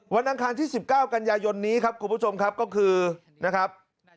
อังคารที่๑๙กันยายนนี้ครับคุณผู้ชมครับก็คือนะครับ